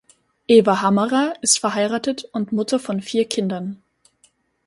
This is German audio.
Eva Hammerer ist verheiratet und Mutter von vier Kindern.